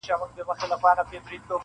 د اوبو زور یې په ژوند نه وو لیدلی!!